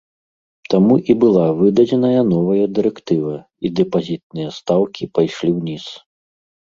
Таму і была выдадзеная новая дырэктыва, і дэпазітныя стаўкі пайшлі ўніз.